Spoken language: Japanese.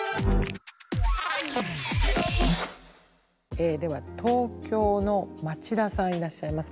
えでは東京のまちださんいらっしゃいますか？